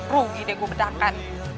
rugi deh gua betakan